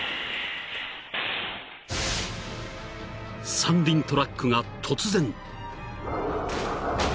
［三輪トラックが突然］